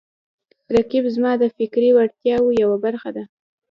رقیب زما د فکري وړتیاو یوه برخه ده